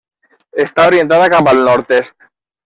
Està orientada cap al nord-est.